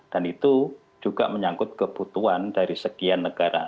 dan itu juga menyangkut kebutuhan dari sekian negara